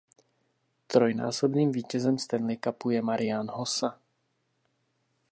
Trojnásobným vítězem Stanley Cupu je Marián Hossa.